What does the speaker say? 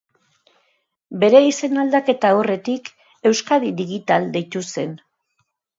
Bere izen-aldaketa aurretik Euskadi Digital deitu zen.